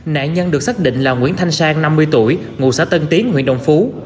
nạn nhân được xác định là nguyễn thanh sang năm mươi tuổi ngụ xã tân tiến huyện đồng phú